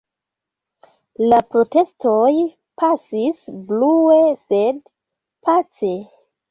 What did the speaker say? La protestoj pasis brue, sed pace.